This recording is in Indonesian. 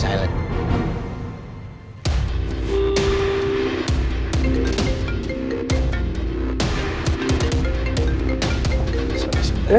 nah ini ini ngerti dulu juga